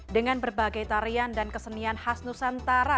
dengan berbagai tarian dan kesenian khas nusantara